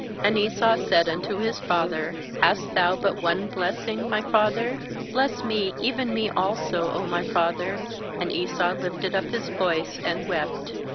88And Esau said unto his father: 'Hast thou but one bless ing, my' father? bless me, even me also, 0 my father/ And Esau lifted up his voice, and wept.